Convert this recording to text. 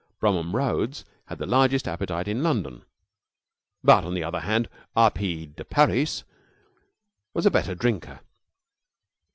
Bromham Rhodes had the largest appetite in London; but, on the other hand, R. P. de Parys was a better drinker.